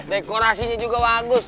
dekorasinya juga bagus